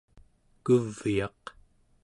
kuvyaq